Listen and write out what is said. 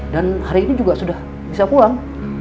dan hari ini juga sudah bisa pulang